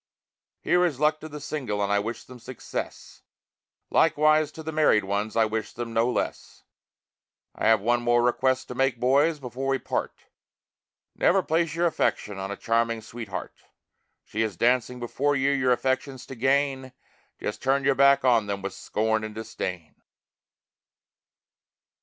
Here is luck to the single and I wish them success, Likewise to the married ones, I wish them no less. I have one more request to make, boys, before we part. Never place your affection on a charming sweetheart. She is dancing before you your affections to gain; Just turn your back on them with scorn and disdain.